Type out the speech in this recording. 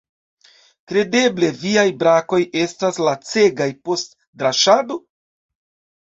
Kredeble viaj brakoj estas lacegaj post draŝado?